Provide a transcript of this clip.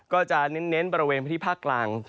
ก็จะเน้นบริเวณพื้นที่ภาคกลาง